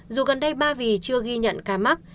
dù gần đây ba vì chưa ghi nhận ca mắc